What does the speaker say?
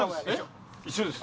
一緒です。